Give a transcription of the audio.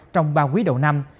trong ba quý đầu năm